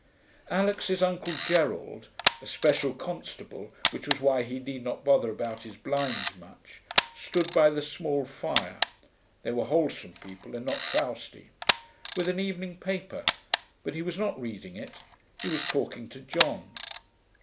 Alix's uncle Gerald (a special constable, which was why he need not bother about his blinds much) stood by the small fire (they were wholesome people, and not frowsty) with an evening paper, but he was not reading it, he was talking to John.